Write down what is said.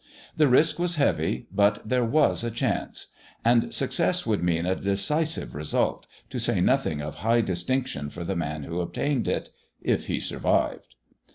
The risk was heavy, but there was a chance; and success would mean a decisive result, to say nothing of high distinction for the man who obtained it if he survived.